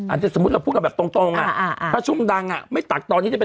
อันที่สมมุติเราจะพูดแบบตรงอะ